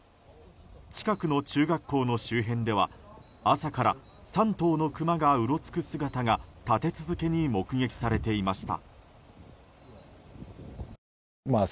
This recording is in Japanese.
近くの中学校の周辺では朝から３頭のクマがうろつく姿が立て続けに目撃されていました。